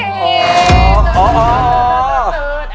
อาจจะหลบ